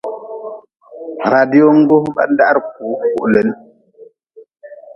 Radiongu ba-n dahri kuu kulin.